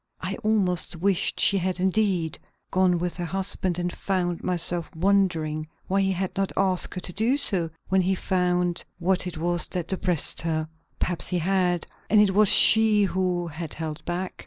I almost wished she had indeed gone with her husband, and found myself wondering why he had not asked her to do so when he found what it was that depressed her. Perhaps he had, and it was she who had held back.